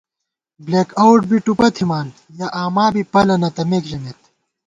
بلېک آؤٹ بی ٹُپہ تھِمان یَہ آما بی پلَہ نہ تمېک ژمېت